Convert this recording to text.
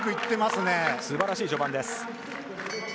すばらしい序盤。